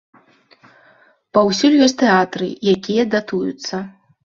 Паўсюль ёсць тэатры, якія датуюцца.